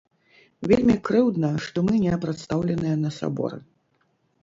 Вельмі крыўдна, што мы не прадстаўленыя на саборы.